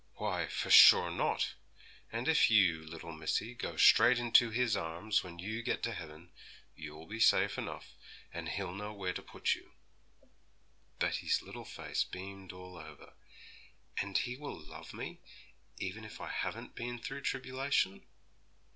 Why, for sure not! And if you, little missy, go straight into His arms when you gets to heaven, you'll be safe enough, and He'll know where to put you.' Betty's little face beamed all over. 'And He will love me, even if I haven't been through tribulation?'